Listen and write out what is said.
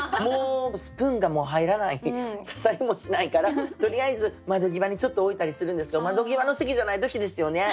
スプーンがもう入らない刺さりもしないからとりあえず窓際にちょっと置いたりするんですけど窓際の席じゃない時ですよね。